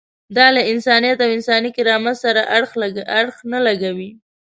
دا له انسانیت او انساني کرامت سره اړخ نه لګوي.